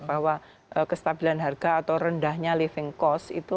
bahwa kestabilan harga atau rendahnya living cost itu